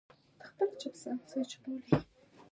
آیا پر کنړ سیند بند جوړیږي؟